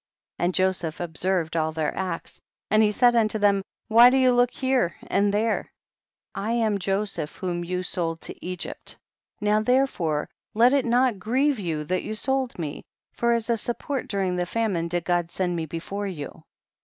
69. And Joseph observed all their acts, and said unto them, why do you look here and there ? I am Joseph whom you sold to Egypt, now therefore let it not grieve you that you sold me, for as a support during the famine did God send me before you.